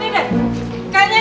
bapak bapak sini deh